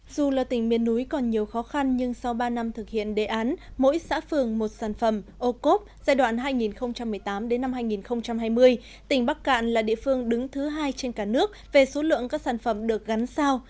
dù là tỉnh miền núi còn nhiều khó khăn nhưng sau ba năm thực hiện đề án mỗi xã phường một sản phẩm ô cốp giai đoạn hai nghìn một mươi tám hai nghìn hai mươi tỉnh bắc cạn là địa phương đứng thứ hai trên cả nước về số lượng các sản phẩm được gắn sao